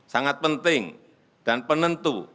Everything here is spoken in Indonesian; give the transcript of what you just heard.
sangat penting dan penentu